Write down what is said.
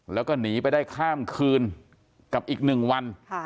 แล้วก็หนีไปได้ข้ามคืนกับอีก๑วัน